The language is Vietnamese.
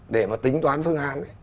để mà tính toán phương án ấy